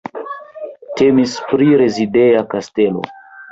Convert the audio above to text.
Temis pri rezideja kastelo.